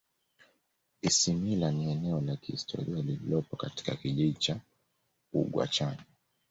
Isimila ni eneo la kihistoria lililopo katika kijiji cha Ugwachanya